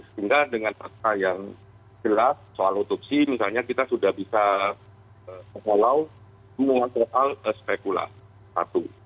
sehingga dengan fakta yang jelas soal otopsi misalnya kita sudah bisa follow semua soal spekula satu